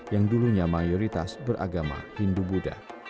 yang dulunya mayoritas beragama hindu buddha